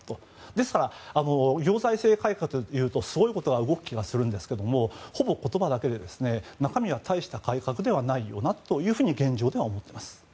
ですから行財政改革というとすごいことが動く気がするんですけどもほぼ言葉だけで中身は大した改革ではないと現状では思っています。